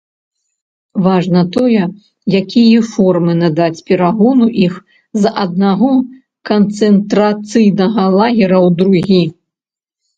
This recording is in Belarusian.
Важна тое, якія формы надаць перагону іх з аднаго канцэнтрацыйнага лагера ў другі.